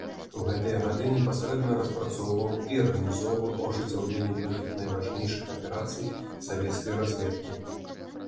У гэтыя гады непасрэдна распрацоўваў і арганізоўваў ажыццяўленне многіх найважнейшых аперацый савецкай разведкі.